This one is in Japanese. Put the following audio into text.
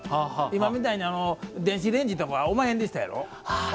今みたいに電子レンジとかおまへんでしたやろ。